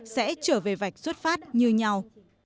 sẽ trở về vạch xuất phát như nhau